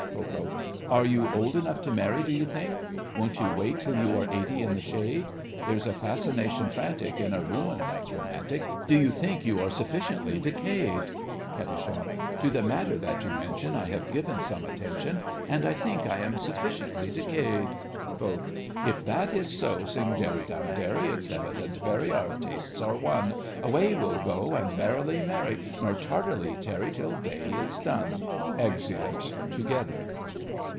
KO. Are you old enough to marry, do you think? Won't you wait till you are eighty in the shade? There's a fascination frantic In a ruin that's romantic; Do you think you are sufficiently decayed? KAT. To the matter that you mention I have given some attention, And I think I am sufficiently decayed. BOTH. If that is so, Sing derry down derry! It's evident, very, Our tastes are one! Away we'll go, And merrily marry, Nor tardily tarry Till day is done! [Exeunt together.